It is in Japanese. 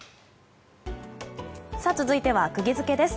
続いてはクギヅケです。